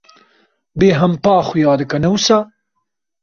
Bêhempa xuya dike, ne wisa?